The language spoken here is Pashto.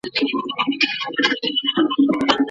ښه بریا یوازي با استعداده کسانو ته نه سي ورکول کېدلای.